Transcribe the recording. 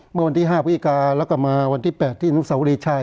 เมื่อวันที่๕พิกาแล้วก็มาวันที่๘ที่อนุสาวรีชัย